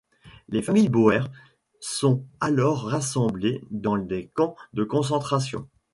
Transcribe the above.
Les familles boers sont alors rassemblées dans des camps de concentration.